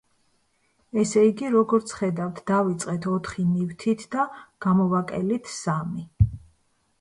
ესე იგი, როგორც ხედავთ დავიწყეთ ოთხი ნივთით და გამოვაკელით სამი.